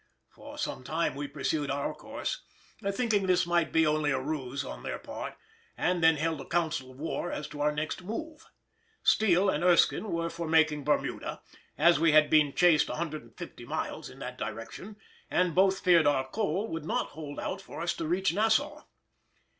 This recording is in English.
For some time we pursued our course, thinking this might be only a ruse on their part, and then held a council of war as to our next move. Steele and Erskine were for making Bermuda, as we had been chased 150 miles in that direction, and both feared our coal would not hold out for us to reach Nassau.